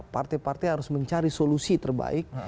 partai partai harus mencari solusi terbaik